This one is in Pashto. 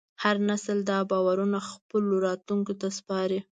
هر نسل دا باورونه خپلو راتلونکو ته سپاري.